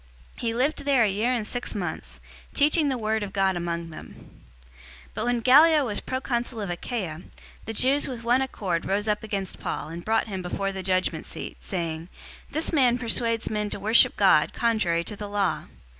018:011 He lived there a year and six months, teaching the word of God among them. 018:012 But when Gallio was proconsul of Achaia, the Jews with one accord rose up against Paul and brought him before the judgment seat, 018:013 saying, "This man persuades men to worship God contrary to the law."